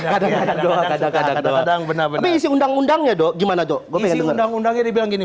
kadang kadang benar benar isi undang undangnya doh gimana dong undang undangnya dibilang gini